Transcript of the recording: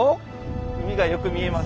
海がよく見えます。